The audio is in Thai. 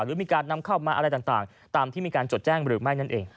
หรือมีการนำเข้ามาอะไรต่างตามที่มีการจดแจ้งหรือไม่นั่นเอง